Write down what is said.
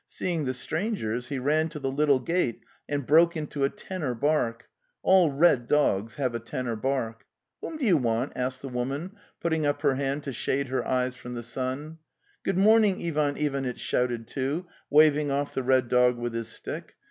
Seeing the strangers, he ran to the little gate and broke into a tenor bark (all red dogs have a tenor bark). 'Whom do you want?" asked the woman, put ting up her hand to shade her eyes from the sun. '"Good morning!"' Ivan Ivanitch shouted, too, waving off the red dog with his stick.